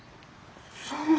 そんな。